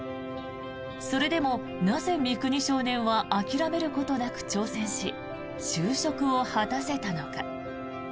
それでも、なぜ三國少年は諦めることなく挑戦し就職を果たせたのか。